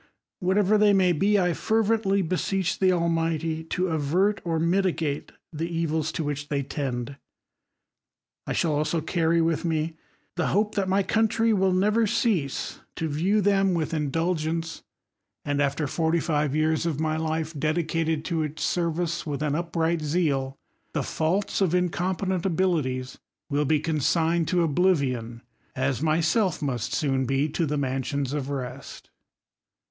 itever they may be, I fervently beseech the Al illy to avert or mitigate the evils to which they itend. I shall also carry with mc the hope that my jcountry will never cease to view them with indulgence ; iand after forty five years of my life dedicated to its ser vice, with an upright zeal , the faults of incompetent ,'.• N2: ''. abrlit'ies \50 THE COLUMBIAN ORATOR. abilities v/ill be consigned to oblivion, as myself must soon be to the mansions of rest.